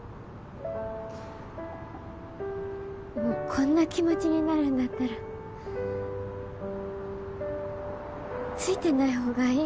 こんな気持ちになるんだったらついてないほうがいい。